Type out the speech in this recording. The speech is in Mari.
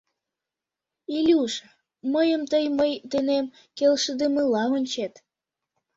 «Илюша, мыйым тый мый денем келшыдымыла ончет.